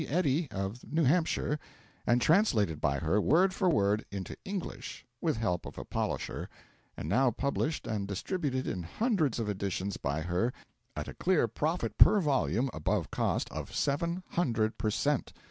Eddy of New Hampshire and translated by her, word for word, into English (with help of a polisher), and now published and distributed in hundreds of editions by her at a clear profit per volume, above cost, of 700 per cent.!